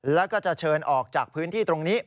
แล้วก็จะเชิญออกจากพื้นที่ตรงนี้